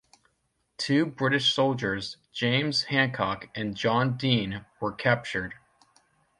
Two British soldiers, James Hancock and John Dean were captured.